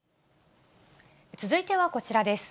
続いてはこちらです。